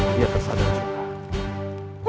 dia tersadar juga